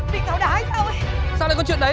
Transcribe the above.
rồi anh về ngay đây